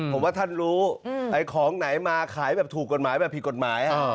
ผมว่าท่านรู้ไอ้ของไหนมาขายแบบถูกกฎหมายแบบผิดกฎหมาย